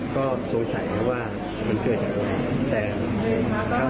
ก็สงสัยว่ามันเคลื่อนจากบน